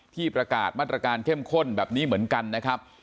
ประกาศมาตรการเข้มข้นแบบนี้เหมือนกันนะครับ